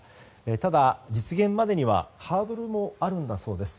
ただ、実現までにはハードルもあるんだそうです。